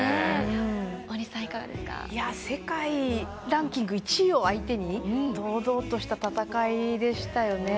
世界ランキング１位を相手に堂々とした戦いでしたよね。